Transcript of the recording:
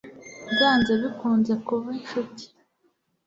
byanze bikunze kuba inshuti